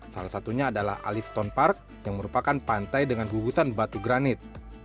salah satunya adalah alif stone park yang merupakan pantai dengan gugusan batu granit